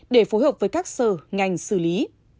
để phối hợp với các sở ngành xử lý